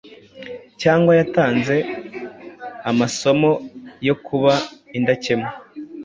cyangwa yatanze amasomo yo kuba indakemwa?